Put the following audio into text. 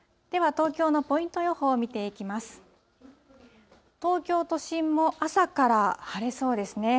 東京都心も朝から晴れそうですね。